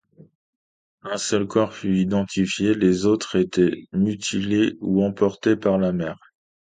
Un seul corps fut identifié, les autres étaient mutilés ou emportés par la mer.